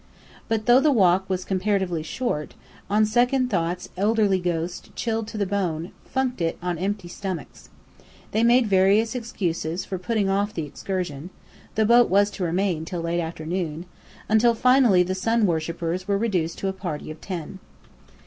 But though the walk was comparatively short, on second thoughts elderly ghosts already chilled to the bone, funked it on empty stomachs. They made various excuses for putting off the excursion (the boat was to remain till late afternoon), until finally the sun worshippers were reduced to a party of ten.